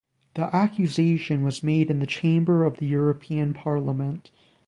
The accusation was made in the chamber of the European parliament.